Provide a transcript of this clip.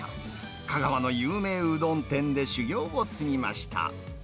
香川の有名うどん店で修業を積みました。